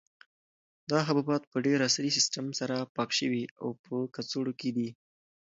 دا حبوبات په ډېر عصري سیسټم سره پاک شوي او په کڅوړو کې دي.